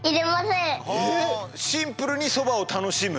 シンプルにそばをたのしむ？